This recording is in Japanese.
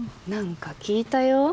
なんか聞いたよ。